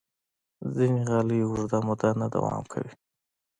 ځینې غالۍ اوږده موده نه دوام کوي.